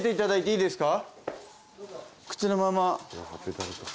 いいんすか？